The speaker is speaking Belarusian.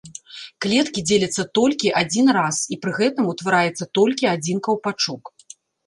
Клеткі дзеляцца толькі адзін раз, і пры гэтым утвараецца толькі адзін каўпачок.